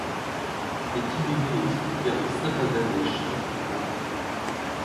Il est inhumé au cimetière de Saint-Pavin-des-Champs au Mans.